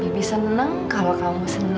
bibi seneng kalau kamu seneng